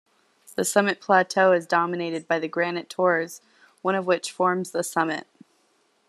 The summit plateau is dominated by granite tors, one of which forms the summit.